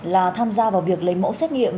là tham gia vào việc lấy mẫu xét nghiệm